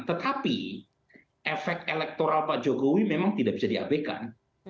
tetapi efek elektoral pak jokowi memang tidak bisa di ab kan